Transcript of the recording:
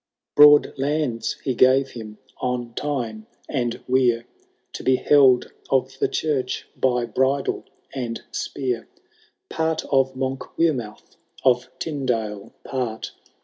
* VI. Broad lands he gave him on Tyne and Wear, To be held of the church by bridle and spear ; Part of Monkwearmouth, of T3medale part.